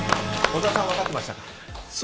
小沢さん分かってましたか。